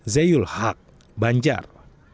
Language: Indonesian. zeyul haq banjar